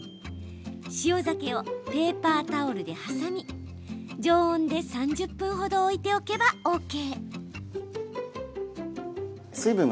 塩ザケをペーパータオルで挟み常温で３０分ほど置いておけばＯＫ。